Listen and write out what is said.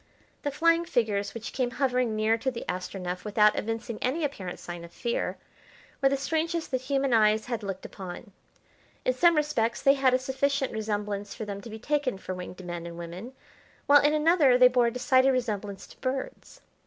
The flying figures which came hovering near to the Astronef, without evincing any apparent sign of fear, were the strangest that human eyes had looked upon. In some respects they had a sufficient resemblance for them to be taken for winged men and women, while in another they bore a decided resemblance to birds.